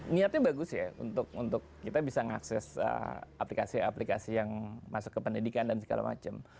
niatnya bagus ya untuk kita bisa mengakses aplikasi aplikasi yang masuk ke pendidikan dan segala macam